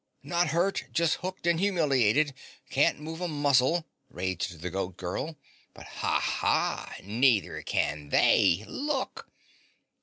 "Not hurt, just hooked and humiliated, can't move a muscle," raged the Goat Girl. "But ha ha! Neither can they! LOOK!"